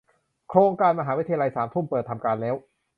โครงการมหาวิทยาลัยสามทุ่ม เปิดทำการแล้ว